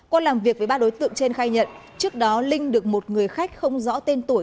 qua làm việc với ba đối tượng trên khai nhận trước đó linh được một người khách không rõ tên tuổi